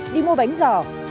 đi mua bánh giò